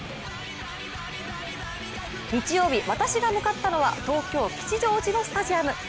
日曜日、私が向かったのは東京・吉祥寺のスタジアム。